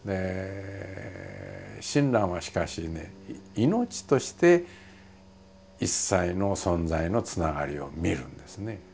親鸞はしかしね命として一切の存在のつながりを見るんですね。